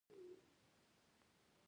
په موزیم کې مې شاوخوا څلور ساعت تېر کړل.